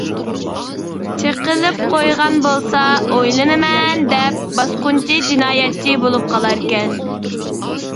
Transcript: چېقىلىپ قويغان بولسا، ئۆيلىنىمەن دەپ، باسقۇنچى جىنايەتچى بولۇپ قالاركەن.